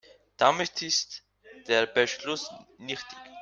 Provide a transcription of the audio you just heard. Damit ist der Beschluss nichtig.